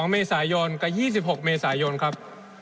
๒เมษายนกับ๒๖เมษายนครับ